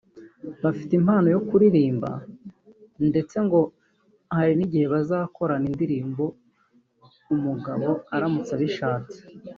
bafite impano yo kuririmba ndetse ngo hari n’igihe bazakorana indirimbo umugabo aramutse abishatse